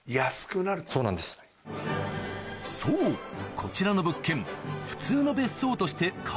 そうこちらの物件